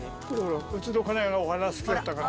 うちの家内がお花好きだったから。